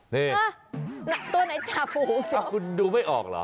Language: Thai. นี่ตัวไหนจ่าฟูคุณดูไม่ออกเหรอ